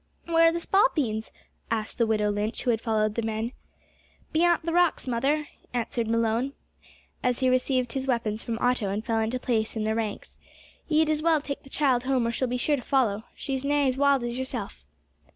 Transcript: "Where are the spalpeens?" asked the widow Lynch, who had followed the men. "Beyant the rocks, mother," answered Malone, as he received his weapons from Otto and fell into his place in the ranks; "ye'd as well take the child home, or she'll be sure to follow she's nigh as wild as yerself."